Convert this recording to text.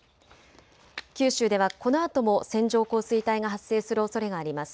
九州ではこのあとも線状降水帯が発生するおそれがあります。